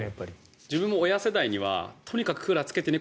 自分も親世代にはとにかくクーラーつけてね